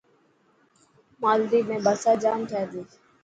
مالديپ ۾ برسات جام ٿي تي.